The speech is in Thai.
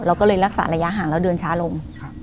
เราก็เลยรักษาระยะห่างแล้วเดินช้าลง